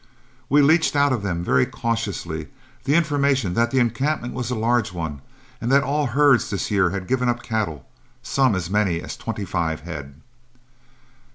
We leeched out of them very cautiously the information that the encampment was a large one, and that all herds this year had given up cattle, some as many as twenty five head.